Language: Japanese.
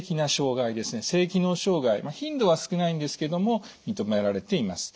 性機能障害頻度は少ないんですけども認められています。